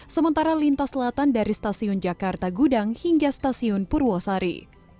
sementara lintas selatan dari stasiun jakarta gudang hingga stasiun purwosari